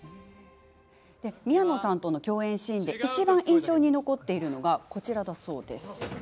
宮野さんとの共演シーンでいちばん印象に残っているのがこちら。